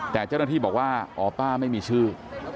แต่เจ้าหน้าที่บอกว่าอ๋อป้าไม่มีชื่อ